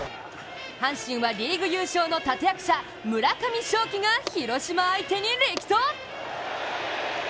阪神は、リーグ優勝の立て役者・村上頌樹が広島相手に力投。